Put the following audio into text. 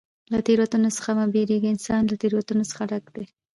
له تېروتنو څخه مه بېرېږه! انسان له تېروتنو څخه ډک دئ.